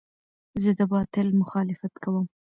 زه د باطل مخالفت کوم.